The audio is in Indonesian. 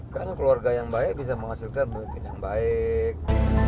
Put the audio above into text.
karena keluarga yang baik bisa menghasilkan kemungkinan yang baik